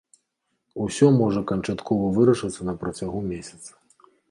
Усё можа канчаткова вырашыцца на працягу месяца.